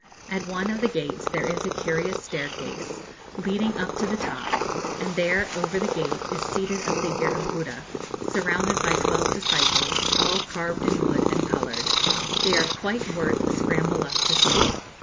At one of the gates there is a curious staircase, leading up to the top, and there, over the gate, is seated a figure of Buddha, surrounded by twelve disciples, all carved in wood and coloured. They are quite worth a scramble up to see.